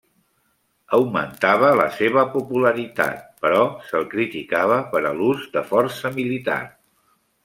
Augmentava la seva popularitat, però se'l criticava per a l'ús de força militar.